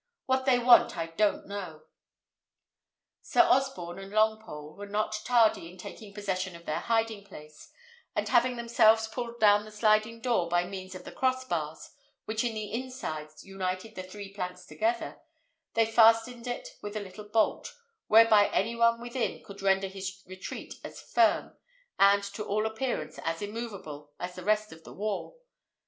What they want I don't know." Sir Osborne and Longpole were not tardy in taking possession of their hiding place; and having themselves pulled down the sliding door by means of the cross bars, which in the inside united the three planks together, they fastened it with a little bolt, whereby any one within could render his retreat as firm, and, to all appearance, as immoveable as the rest of the wall.